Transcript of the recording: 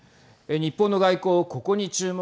日本の外交ここに注目。